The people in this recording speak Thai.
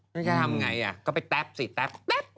ทำอย่างไรก็ไปแป๊บสิแป๊บ